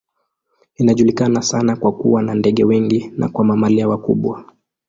Inajulikana sana kwa kuwa na ndege wengi na kwa mamalia wakubwa.